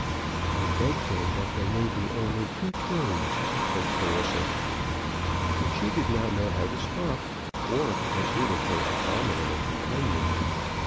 "I beg, then, that there may be only two turns," said Clarissa. But she did not know how to stop, or to get rid of her abominable companion.